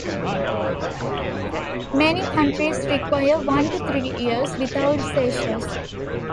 Many countries require one to three years without seizures.